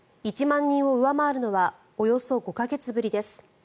１万人を上回るのはおよそ５か月ぶりです。